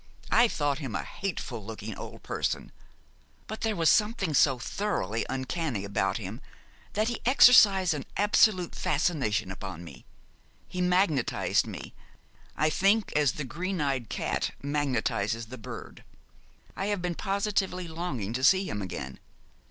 I thought him a hateful looking old person; but there was something so thoroughly uncanny about him that he exercised an absolute fascination upon me: he magnetised me, I think, as the green eyed cat magnetises the bird. I have been positively longing to see him again.